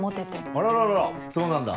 あらららそうなんだ。